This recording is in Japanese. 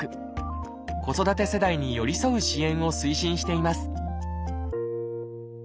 子育て世代に寄り添う支援を推進しています